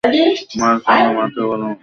Mark আমার মাথা গরম হয়ে যাচ্ছে।